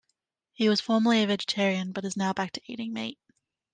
He was formerly a vegetarian, but is now back to eating meat.